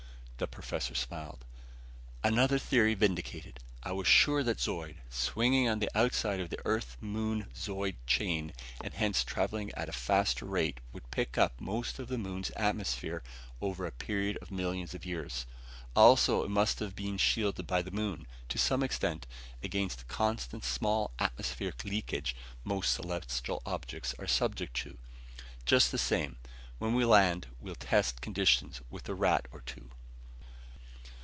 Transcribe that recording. The professor smiled. "Another theory vindicated. I was sure that Zeud, swinging on the outside of the Earth moon Zeud chain and hence traveling at a faster rate, would pick up most of the moon's atmosphere over a period of millions of years. Also it must have been shielded by the moon, to some extent, against the constant small atmospheric leakage most celestial globes are subject to. Just the same, when we land, we'll test conditions with a rat or two."